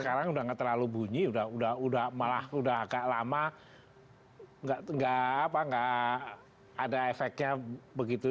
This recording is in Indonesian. sekarang udah nggak terlalu bunyi udah malah udah agak lama nggak ada efeknya begitu